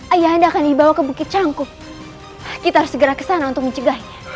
ayah dahan dibawa ke bukit cangkuk kita segera kesana untuk menjegainya